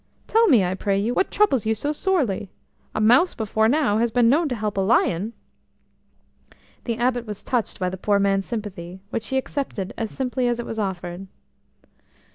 Tell me, I pray you, what troubles you so sorely? A mouse before now has been known to help a lion." The Abbot was touched by the poor man's sympathy, which he accepted as simply as it was offered.